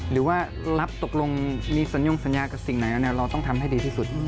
หรือว่ารับตกลงมีสัญญงสัญญากับสิ่งไหนเราต้องทำให้ดีที่สุด